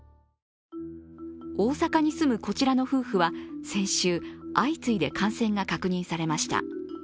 大阪に住む、こちらの夫婦は先週、相次いで感染が確認されました。